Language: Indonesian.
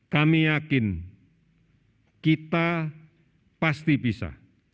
kami yakin kita pasti bisa